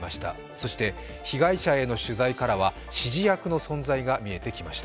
そして被害者への取材からは指示役の存在が見えてきました。